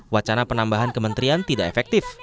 wacana penambahan kementerian tidak efektif